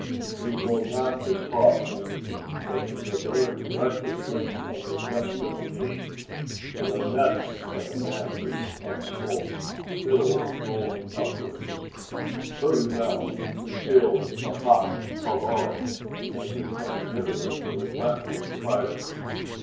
We go not with caution, but in the very recklessness of a desperate need. We are met by the masses of smoke still rolling upwards. Further down, we feel the hot caloric as we come nearer to the crackling fires.